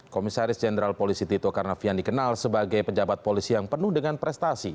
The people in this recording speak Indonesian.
komisaris jenderal polisi tito karnavian dikenal sebagai pejabat polisi yang penuh dengan prestasi